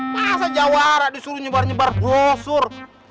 masa jawara disuruh nyebar nyebar blosur